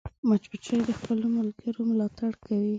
مچمچۍ د خپلو ملګرو ملاتړ کوي